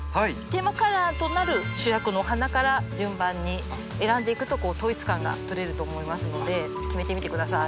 テーマカラーとなる主役のお花から順番に選んでいくとこう統一感が取れると思いますので決めてみて下さい。